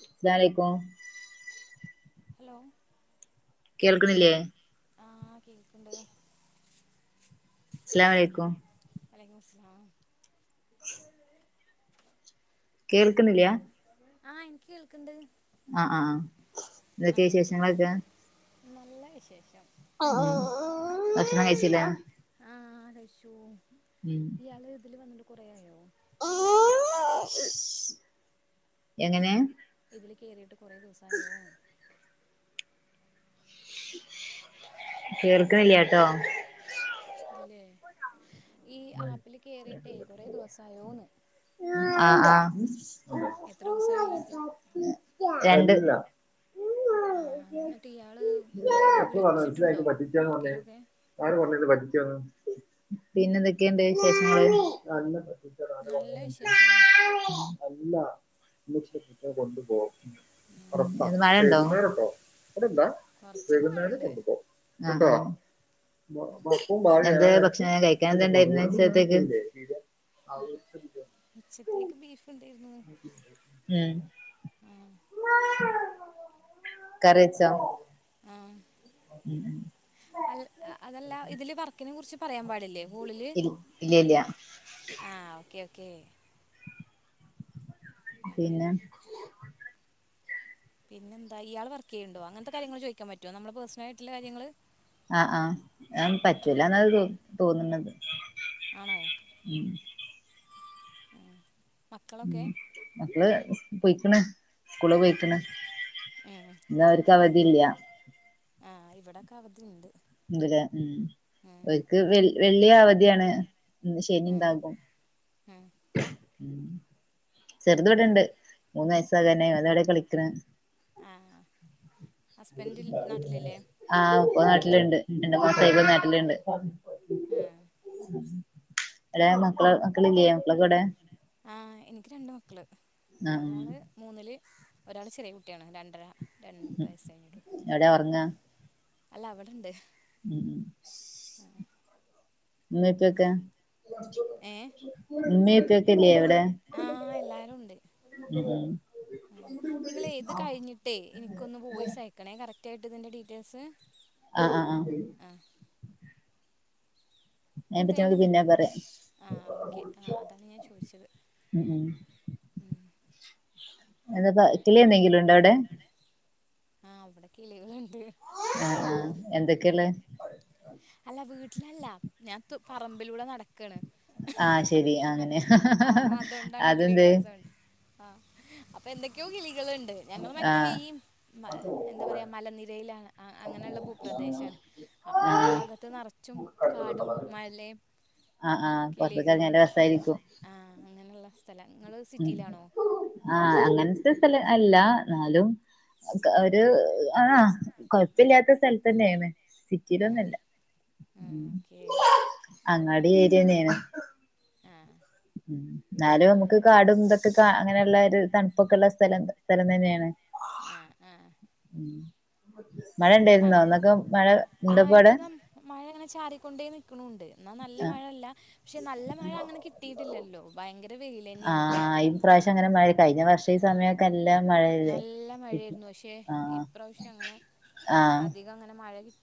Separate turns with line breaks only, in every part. അസ്ലാലൈക്കും
hello
കേൾക്ക്ണില്ലേ
ആഹ് കേക്ക്ണ്ട്
സ്‌ലാലൈക്കും
വലക്കുമുസ്ലാ
കേൾക്ക്ണില്ല
ആഹ് ഇൻക്ക് കേൾക്ക്ണ്ട്
ആഹ് ആഹ് ഇതൊക്കെ
ആഹ്
വിശേഷങ്ങളൊക്കെ
നല്ല വിശേഷം
ഉം ഭക്ഷണം കഴിച്ചിലെ
ആഹ് ലശു
ഉം
ഇയാള് ഇതില് വന്നിട്ട് കൊറെയായോ
[inaudible] എങ്ങനെ
ഇതില് കേറീട്ട് കൊറെ ദിവസായോ
കേൾക്ക്ണില്യാട്ടോ
ഇല്ലേ ഈ ആപ്പില് കേറിയിട്ടേ കൊറേ ദിവസായോന്ന്
ആഹ് ആഹ്
എത്ര വു സായി
രണ്ട്
ആഹ് എന്നട്ട് ഇയാള് വിളിച്ചിട്ടുണ്ടോ ആർക്കേലും ഒക്കെ
പിന്നെ എന്തൊക്കെണ്ട് വിശേഷങ്ങള് അല്ല
നല്ല വിശേഷം
കുട്ടെ കൊണ്ടു പോകും [inaudible] മഴണ്ടൊ
കൊറച്ചൊക്കെ മഴണ്ട്
ആഹ് എന്തെ ഭക്ഷണം കഴിക്കണ്ന്തെ ഇന്നേ ചേത്തേക്ക്
[unintelligible] ബീഫ് ഉണ്ടായിരുന്നു
ഉം
ആഹ്
[inaudible] കറ്യച്ചോ
ആഹ് അൽ അതല്ല ഇതില് വർക്കിനെ കുറിച്ച് പറയാൻ പാടില്ലേ ഹൂളില്
ഇൽ ഇല്ല ഇല്ല
ആഹ് ഓക്കേ ഓക്കേ
പിന്നെ
പിന്നെന്താ ഇയാൾ വർക്കയ്യുണ്ടോ അങ്ങൻത്തെ കാര്യങ്ങൾ ചോയ്ക്കാൻ പറ്റോ നമ്മള് പേഴ്സണൽ ആയിട്ടുള്ള കാര്യങ്ങള്
ആഹ് ആഹ് പറ്റൂല ന്നത് തോന്ന്ണത്
ആണോ
ഉം
ഉം
ഉം
മക്കളൊക്കെ
മക്കള് പോയിക്ക്ണ് സ്കൂള് പോയിക്ക്ണ്
ഉം
ഇന്ന അവർക്ക് അവധില്ല
ആഹ് ഇവടൊക്കെ അവധിണ്ട്
ഇതില് ഉം ഓര്ക്ക് വെൽ വെള്ളി അവധിയാണ് ശനി
ഉം
ഇണ്ടാകും
ഉം
ഉം ചെറ്ത് വിടണ്ട് മൂന്ന് വയസാകനെ അത [unintelligible] കളിക്ക്ണ്
ആ ഹസ്ബൻഡ് നാട്ടിലില്ലേ
ആഹ് [unintelligible] പ്പ ല്ണ്ട് രണ്ട് മാസ [unintelligible] നാട്ടില്ണ്ട്
ആ
ലെ മക്കള് മക്കളില്ലേ മക്കളക്കൊഊ ടെ
ആഹ് എനിക്ക് രണ്ട് മക്കള്
ആഹ്
ഒരാള് മൂന്നില് ഒരാൾ ചെറിയ കുട്ട്യാണ് രണ്ടര രണ്ട് വയസ്സ് കഴിഞ്ഞിട്ടുള്ളൂ
എവ്ടാ ഒറ്ങ്ങാ
അല്ല അവിടെണ്ട്
ഉം ഉം ഉമ്മി പ്യക്കെ
ഏ
ഉമ്മീ പ്പ ക്ക്യല്ലെവടെ
ആഹ് എല്ലാരും ഉണ്ട് ആ നിങ്ങളേ ഇത് കഴിഞ്ഞിട്ടേ എനിക്കൊന്ന് വോയിസ്‌ അയക്കണേ കറക്റ്റ് ആയിട്ട് ഇതിന്റെ ഡീറ്റെയിൽസ് ഇതിന്റെ ഡീറ്റെയിൽസ്
ആഹ ആഹ ആഹ
ഇത്തേനും
പറയാം
ആ ഓക്കെ ആ അതാണ് ഞാൻ ചോദിച്ചത്
ഉം ഉം
ഉം [inaudible]
എന്താപ്പ കില എന്തെങ്കിലും ഉണ്ടോ അവിടെ [unintelligible]
ആഹ് അവിടെ കിളികളു
ആ ആ എന്തൊക്കെയല്ലേ
ല്ല വീട്ടിലല്ല ഞാൻ പറമ്പിലൂടെ നടക്കാണ്
ആഹ ശെരി അങ്ങനെ ഹ ഹ ഹ അതെന്ത്?
ആഹ അപ്പൊ എന്തൊക്കെയോ കിളി കളുണ്ട് ഞങ്ങൾ മറ്റേ
ആഹ്
ഈ എന്താ പറയാ മലനിരയിലാണ് അങ്ങനെയുള്ള ഭൂപ്രദേശമാണ്. അപ്പൊ ഈ
ആഹ്
ഭാഗത്ത് നറച്ചും കാടും മലേം
ആഹ് ആഹ് പൊറത്ത്ക്ക് എറങ്ങിയാ
കിളികളും
നല്ല രസായിരിക്കും
ആഹ അങ്ങനെയുള്ള സ്ഥലംങ്ങള്
ഉം
സിറ്റിയിലാണോ?
ആഹ് അങ്ങനത്തെസ്ഥല അല്ല എന്നാലും ഒരു ആാ കൊഴപ്പില്ലാത്ത സ്ഥലത്ത്ന്നെണ്
ആഹ്
സിറ്റിയിലൊന്നുംല്ല
ആഹ്
ഉ
ഓക്കേ
അങ്ങാടി ഏരിയന്നന
ആഹ്
ഉ എന്നാലും നമുക്ക് കാടും ഇതൊക്കെ കാ അങ്ങനെയുള്ള ഒരു തണുപ്പൊക്കെള്ള സ്ഥലം സ്ഥലം തന്നെയാണ്.
ആഹ ആഹ
ഉം മഴ ഉണ്ടായിരുന്നോ ഒന്നൊക്കെ മഴ
ആഹ്
ഇണ്ടപ്പോ അവിടെ
ഇപ്പൊ ന മഴ അങ്ങനെ ചാറിക്കൊണ്ടേ നിക്കണണ്ട് എന്നാൽ നല്ല
ആഹ്
മഴല്ല പക്ഷെ നല്ല മ മഴ അങ്ങനെ കിട്ടിട്ടില്ലല്ലോ ഭയ
ആഹ് ഈ പ്രാവശ്യം അങ്ങനെ മഴ കഴിഞ്ഞ വർഷ ഈ സമയംൊക്കെ
നല്ല മഴയായിരുന്നു പക്ഷെ
ആഹ്
ഇപ്രാവശ്യം അങ്ങനെ
ആഹ്
അധികം അങ്ങനെ മഴ കിട്ടി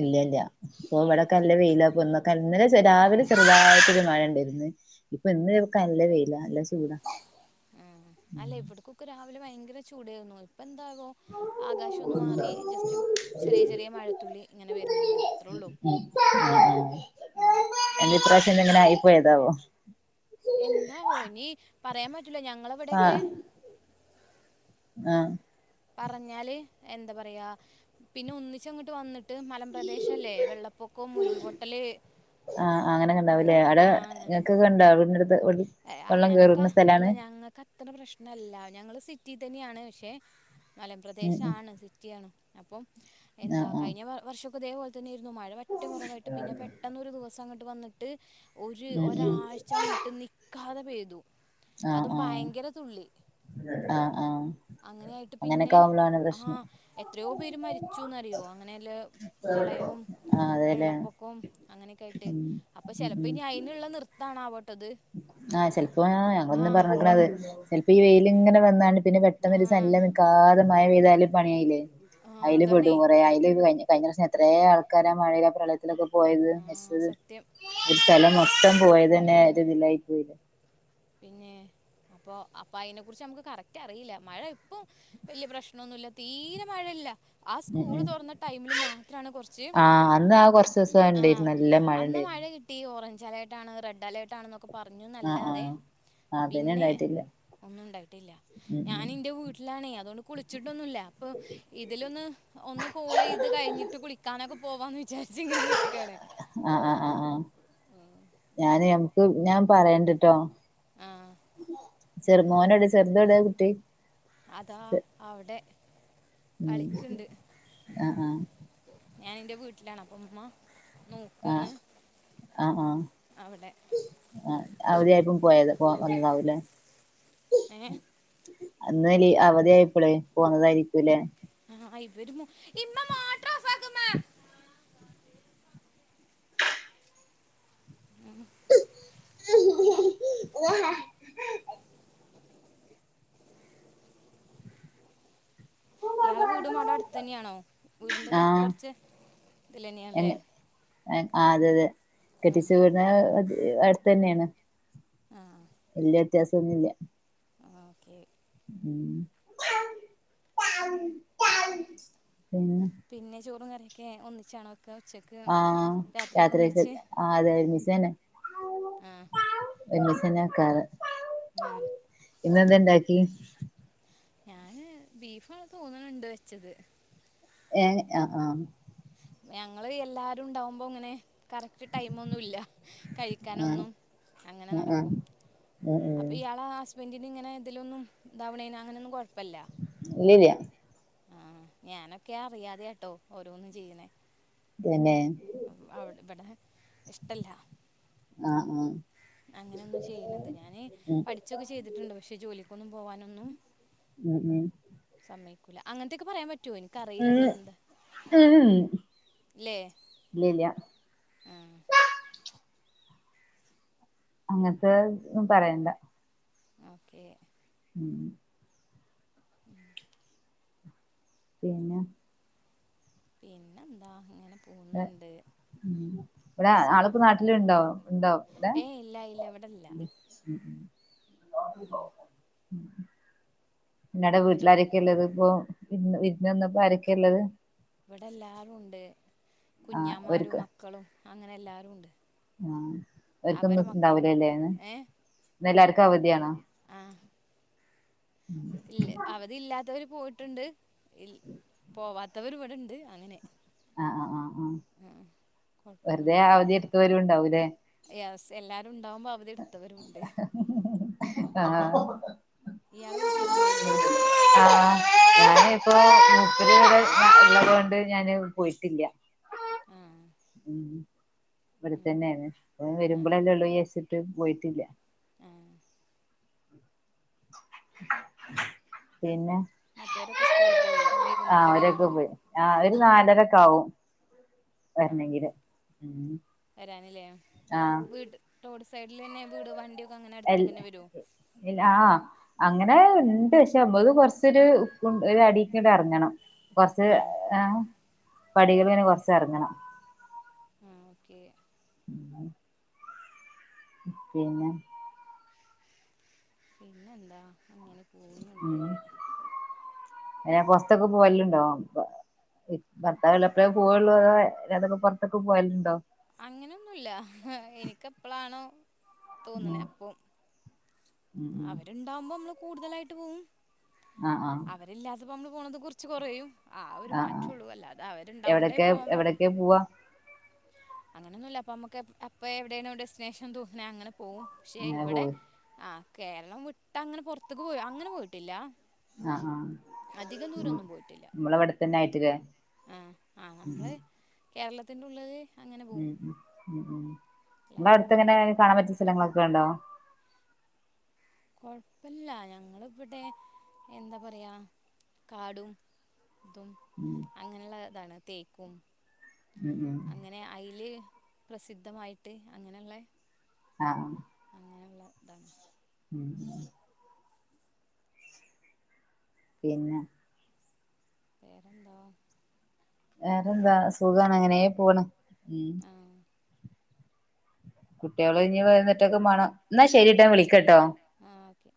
ഇല്ല ഇല്ല ഇപ്പ ഇവിടെൊക്കെ
ഉം
നല്ല വെയിലാപ്പൊന്ന് ഇന്നലെ രാവിലെ ചെറുതായിട്ടൊരു മഴയ ഉണ്ടായിരുന്നു ഇപ്പൊ ഇന്ന് വക്ക നല്ല പെയില നല്ല ചൂടാ
ആ അല്ല ഇവിടക്കൊക്കെ രാവിലെ ഭയങ്കര ചൂടേർന്നു. ഇപ്പ എന്താകോ ആകാശ ഒന്നന്ന് മാറി ജസ്റ്റ് ചെറിയ ചെറിയ മഴത്തുള്ളി ഇങ്ങനെ വരുന്നുണ്ട് അത്ര
എന്റെപ്രാവശ്യം എന്ത
അല്ലാതെ
ഇങ്ങനെയിപ്പോയതാവോ
എന്താവോ ഇനി പറയാൻ പറ്റലോ ഞങ്ങള എവിടെൊക്കെ
ആഹ് ആഹ്
പറഞ്ഞാല് എന്താ പറയാ പിന്നെ ഒന്നിച്ച അങ്ങോട്ട് വന്നിട്ട് ഇട്ട് മലപ്രദേശം അല്ലേ വെള്ളപ്പൊക്കവും ഉരുൾപൊട്ടല്
ആഹ് അങ്ങനൊക്കെ
ആഹ്
ഉണ്ടാവൂല്ലേ അവിടെ
ആഹ്
ങ്ങക്കൊക്കെ കണ്ട അവ-
ഞങ്ങൾക്ക് ഇല്ല ഞങ്ങൾക്ക് അത്ര പ്രശ്നല്ല ഞങ്ങള് സി സിറ്റി തന്നെയാണ് പക്ഷേ
ഉം ഉം
മലപ്രദേശണ് സിറ്റിയാണ് അപ്പം എന്താ
ആഹ് ആഹ്
കഴിഞ്ഞ വർഷംക്കെ ഇതേപോലെ തന്നെ ആയിരുന്നു മഴ വറ്റേ കുറവായിട്ട് പിന്നെ പെട്ടെന്ന ഒരു ദിവസം അങ്ങ വന്നിട്ട് ഒരു
ഉം ഉം
ഒരാഴ്ച അങ്ങിട്ട് നി പെയ്തു അതും ഭയങ്കര തുള്ളി
ആഹ ആഹ
അങ്ങനെയായിട്ട് പിന്നെ ആഹാ എത്രയോ പേര് മരിച്ചുന്ന്റിയോ അങ്ങനെയല്ല പ്രളയവും
ആഹ് അതെല്ലേ
വെള്ളപ്പൊക്കം അങ്ങനെയൊക്കെ ആയിട്ട്
ഉം
അപ്പൊ
ഉം
ചെിലപ്പോ
ഉം
അൈനുള്ള നൃത്തണ ആവോട്ടത്
ആഹ് ചെിലപ്പോ ഞങ്ങളൊന്നും പറഞ്ഞിക്കണത് ചെൽപ്പോ ഈ വെയിൽ ഇങ്ങനെ വന്നാണ് പിന്നെ പെട്ടെന്ന് ഒരു സലല്ല
ആ
നിൽക്കാത മമായ വ്തായാലും പണിയയിേ
ആഹ്
അയല്
അതാണേ
പെടും കൊറെേ അയല് കഴിഞ്ഞ കഴിഞ്ഞ പ്രശ്യം എത്ര ആൾക്കാരാ മഴയിലെ പ്രളയത്തിലൊക്കെ പോയത്
ആഹ് സത്യം
ഒരു സ്ഥല മൊത്തം പോയത്ന്നെ
ഉം
പോയില്ല
പിന്നെ അപ്പൊ അപ്പൊ അതിനെ കുുറിച്ച് നമുക്ക് കറക്റ്റ് അറിയില്ല മഴ ഇപ്പം വലിയ പ്രശ്നൊന്നുമല്ല തീരെ മഴയില്ല ആ
ഉം
സ്കൂള്
ഉം
തുറന്ന ടൈമില് മാത്രമാണ് കുറച്ച്
ആഹ് അന്ന് ആ കൊറച്ച് ദിവസം
ആ
ഇണ്ടായിരുന്നു നല്ല
മഴ
ഇണ്ടായിരുന്നു
കിട്ടി ഓറഞ്ച് അലർട്ടാണ് റെഡ് അലർട്ട ആണെന്നൊക്ക പറഞ്ഞുന്നല്ലാതെ
ആഹ പിന്നെ ഉണ്ടായിട്ടില്ലേ
ഒന്നും ഉണ്ടായിട്ടില്ല ഞാൻ എന്റെ വീട്ടിലാണേ അതുകൊണ്ട് കുളിച്ചിട്ടൊന്നുമല്ല അപ്പൊ ഇതിലൊന്ന് ഒന്ന് കൂള ഇത് കഴിഞ്ഞിട്ട് കുളിക്കാനൊക്കെ പോവാമെന്ന് വിചാരിച്ച് ഇങ്ങനെ നിൽക്കുകയാണ്
ആഹ ആഹ ആഹ് ആഹ ഞാന ഞാൻ പറയണ്ടിട്ടോ
ആ
ചെറുുമോനോട് ചെറുതോടെ
അതാ അവവിടെ
ഉം ആഹ ആഹ
ഞാൻ എന്റെ വീട്ടിലാാണ് അപ്പ അമ്മ
ആഹ ആഹ ആഹ
അവിടെ
ആഹ അവര്യിപ്പും പോയത് പോ വന്നതാവൂലേ
ഏ
അന്നല് അവധിയായിപ്പോളെ പോന്നതായിരിക്കൂല്ലെ
ആ ഇവര് ഇ മാ
ആ ഓ
ഇയാളെ വീടും മാട അടുത്ത് തന്നെയാണോ വീടിന്റെ തൊ കൊറച്ച്
എ ആ അതെ അതെ കെട്ടിച്ചര അടുത്ത തന്നെയാണ്
ആഹ
എല്ലാ വ്യത്യാസംൊന്നുമില്ല
ക്ക
പിന്നെ
പിന്നെ ചോറും കറിയൊക്കെ ഒന്നിച്ചാണോ ഒക്കെ ഉച്ചക്ക്
ആഹ
രാത്രിക്ക്
രാത്രിയൊക്കെ
ഒന്നിച്ച്
ആ അതെ മിസ തന്നെ
ആ
എമിസന ആക്കാറ്
ഉം
ഇന്നെന്തെണ്ടാക്കി
ഞാന് ബീഫ ആണ തോന്നണുണ്ട് വെച്ചത്
ഏ ആഹ ആഹ്
ഞങ്ങള് എല്ലാരും ഉണ്ടാവുമ്പോ ഇങ്ങനെ കറക്റ്റ് ടൈമ ഒന്നും ഇല്ല
ആഹ്
കഴിക്കാനൊന്നും അങ്ങനെ
ആഹ് ആഹ്
നടക്കും
ഉം
അപ്പൊ
ഉം
ഇയാളെ ആ ഹസ്ബൻറിന് ഇങ്ങനെന്തെലൊന്നും തവണേന അങ്ങനെയൊന്നും കൊഴപ്പ
ഇല്ലല്ല
ആഹ ഞാനൊക്കെ അറിയാതെ കേട്ടോ ഓരോന്നും ചെയ്യുന്നേ
ഇതന്നെ
അവിടെ ഇവിടെ ഇഷ്ടല്ല
ആഹ് ആഹ്
അങ്ങനെയൊന്നും ചെയ്യണുന്നത് ഞാന്
ഉം
പഠിച്ചൊക്കെ ചെയ്തിട്ടുണ്ട് പക്ഷെ ജോലിക്കൊന്നും പോവാനൊന്നും
ഉം
സമയക്കൂില്ല അങ്ങനത്തൊക്കെ പറയാൻ പറ്റ
ഉ ഉ
ഇല്ലേ
ഇല്ലല്ല
ആ
അങ്ങനത്തെ പറയണ്ട
ഓക്കേ
ഉം
ഉ
പിന്നെ
പിന്നെ എന്താ അങ്ങനെ
ഇവിടെ
സുഖം
ആൾക്ക് നാട്ടില ഇണ്ടാവും ഉണ്ടാവും അല്ല
ഏയ് ഇല്ല ഇല്ല ഇവിടില്ല
ഉ പിന്നടെ
എന്നിട്ട്
വീട്ടിലാരൊക്കെയള്ളത് ഇപ്പ ഇന്ന് ഇതിന്നപ്പോ ആരക്കള്ളത്
ഇവിടെ എല്ലാാരും ഉണ്ട്
ആഹ്
കുഞ്ഞാമാരും മക്കളും അങ്ങനെ എല്ലാാരും ഉണ്ട്
ആഹ
അവരെ
അവർക്കൊന്നും
മക്കളും
ഇണ്ടാവലല്ലേന്ന്െല്ലാവർക്കും അവധിയാണോ
ആഹ ഇല്ല അവധി ഇല്ലാത്തവര് പോയിട്ടുണ്ട് പോവാത്ത ഇവരി ഇവിടെണ്ട് അങ്ങനെ
ഉ വെറുതെ
കൊഴപ്പൊന്നുല്ല
അവധി എടുത്ത വരുും ഉണ്ടാവല്ലേ
യെസ് എല്ലാരും ഉണ്ടാവുമ്പോ അവ
ആഹ
ഇയാള്െ വീട്ടിലൊന്നും പോയില്ലേ
ഞാന ഇപ്പോൊ മുൂപ്പ രപൂടെ ഉള്ളത് കൊൊണ്ട് ഞാാന് പോയിട്ടില്ല
ആ
ഉ ഇവിടെത്തന്നെയാണ് വരുമ്പോഴല്ല ഉള്ളൂ ചച്ചിട്ട് പോയിട്ടില്ല
ആ
പിന്നെ
മറ്റവരൊക്കെ സ്കൂളിൽ പോയി
ആഹ
വൈകുന്നേരം
ഒരൊക്കെ
വരുള്ളൂ
പോയി ആ ഒരു നാലരക്കെ ആവുംും വരണെങ്കില് ഉ
ല്ലേ വീട് റോഡ് സൈഡിൽ തന്നെ വീട് വണ്ട
ആ അങ്ങനെ അങ്ങനെ ഉണ്ട് പക്ഷെ അത് കൊറച്ചൊരു ഉ അടക്കണ്ട് അറങ്ങണം കൊറച്ച് ആ
ആ
പടികൾ പിനെ കൊറച്ച് ഇറങ്ങണം
ആ ഓക്കേ
ഉം പിന്നെ
പിന്നെന്താ അങ്ങനെ പോകുന്നുണ്ട്
ഉ ഭത്തൊക്കെ പോ വല്ലുണ്ടോ ഭർത്താവവിില എപ്പഴേ പോവുള്ളൂ അ അ അതൊക്കെറത്തക്ക പോയലുണ്ടോ
അങ്ങനെയൊന്നുമല്ല എനിക്ക എപ്പളാണോ
ഉം
തോന്നണേ അപ്പം
ഉം ഉം
അവരുണ്ടാവുമ്പോ നമ്മള് കൂടുതലായിട്ട് പോകും
ആഹ ആഹ
അപ്പൊ നമ്മള് പോണുന്നത് കുറിച്ച് കുറയും ആ ഒരു
ആഹ് ആഹ്
മാറ്റുള്ളൂ അല്ലാതെ അവരുണ്ടാവുമ്പോളേ
എവിടൊക്കെ
പോവാൻ പ
എവിടൊക്കെ പോവാ
അങ്ങനൊന്നുല്ല അപ്പൊ നമുക്ക് അപ്പൊ എവിടെണോ ഡെസ്റ്റിനേഷൻ തോന്ന്ണേ അങ്ങനെ പോവും പക്ഷെ
അങ്ങനെ
ഇവിടെ
പോയി
ആ കേരളം വിട്ട് അങ്ങനെ പൊറത്ത്ക്ക് പോയി അങ്ങനെ പോയിട്ടില്ല
ആഹ് ആ
അധികം ദൂരൊന്നും പോയിട്ടില്ല
നമ്മളവിടെത്തന്നെ ആയിട്ട്ല്ലേ ഉം
കേരളത്തിനുള്ളിതല്
ഉം ഉം ഉം ഉം നമ്മ
അല്ലാതെ
അടുത്തെ എങ്ങനെ
പുറത്ത്
കാണാൻ പറ്റിയ സ്ഥലങ്ങളൊക്കെ ഉണ്ടോ
കൊഴപ്പില്ല ഞങ്ങളി ഇപ്പടെ എന്താ പറയാ കാടും ഇതും
ഉം
അങ്ങനെയുള്ള ഇതാണ് തേക്കും
ഉം ഉം
അങ്ങനെ അതിൽ പ്രസിദ്ധമായിട്ട് അങ്ങനെയുള്ള
ആഹ്
അങ്ങനെയുള്ള ഇതാണ്
ഉം പിന്നെ
വേറെന്താ
വേറെന്താ സുഖാണ് അങ്ങനെ പോണ് ഉം
ആ
കുട്ടികള് ഇഞ് വുന്നിട്ടൊക്കെ മാണം എന്നാ ശരിട്ടാ ഞാൻ വിളിക്കട്ടോ
ആ ഓക്കെ